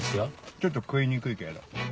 ちょっと食いにくいけど。